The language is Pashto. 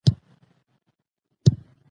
واوره د افغانستان د ښاري پراختیا سبب کېږي.